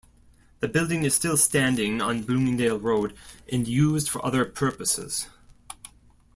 The building is still standing on Bloomingdale Road and used for other purposes.